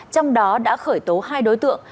trong đó đã khởi tố hai đối tượng